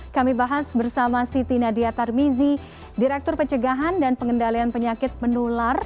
kami bahas bersama siti nadia tarmizi direktur pencegahan dan pengendalian penyakit menular